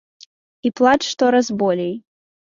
І плач штораз болей.